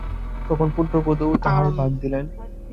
তখন পুত্রবধূও তাঁহার ভাগ দিলেন।